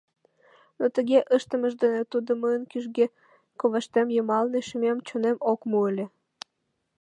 Но тыге ыштымыж дене тудо мыйын кӱжгӧ коваштем йымалне шӱмем, чонем ок му ыле...